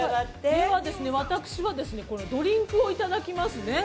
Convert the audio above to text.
◆では私は、このドリンクをいただきますね。